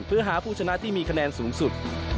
เพื่อหาผู้ชนะที่มีคะแนนสูงสุด